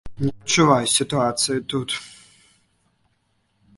Не адчуваю сітуацыі тут.